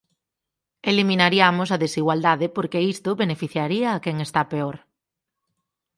Eliminariamos a desigualdade porque isto beneficiaría a quen está peor.